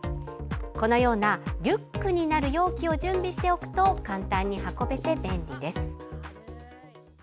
このようなリュックになる容器を準備しておくと簡単に運べて便利です。